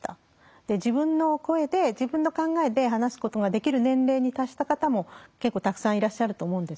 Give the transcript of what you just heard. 自分の声で自分の考えで話すことができる年齢に達した方も結構たくさんいらっしゃると思うんですね。